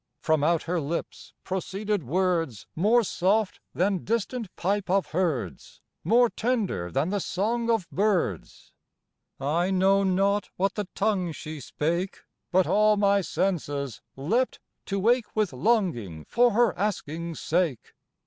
From out her lips proceeded words More soft than distant pipe of herds, More tender than the song of birds. I know not what the tongue she spake, But all my senses leapt to ache With longing, for her asking's sake.